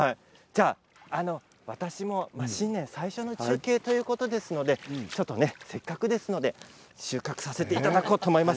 私も新年最初の中継ということですのでせっかくですので収穫させていただこうと思います。